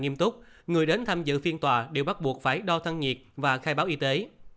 nhiều người đến tham dự phiên tòa đều bắt buộc phải đo thân nhiệt và khai báo y tế